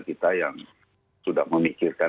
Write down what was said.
kita yang sudah memikirkan